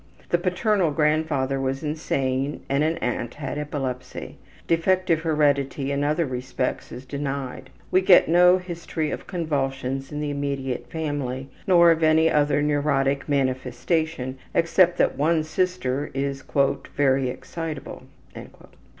The paternal grandfather was insane and an aunt had epilepsy. Defective heredity in other respects is denied. We get no history of convulsions in the immediate family, nor of any other neurotic manifestation, except that one sister is ``very excitable.''